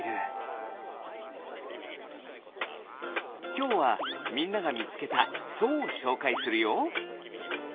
きょうはみんながみつけた「そう」をしょうかいするよ。